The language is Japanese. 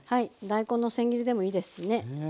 大根のせん切りでもいいですしね。